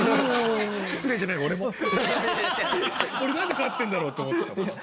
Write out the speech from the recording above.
俺なんで勝ってんだろうって思ってたのよ。